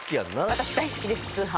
私大好きです通販。